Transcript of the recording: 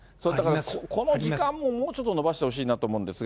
この時間ももう少し延ばしてほしいなと思うんですが。